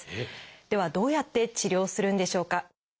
ではどうやって治療するんでしょうか。